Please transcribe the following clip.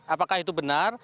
apakah itu benar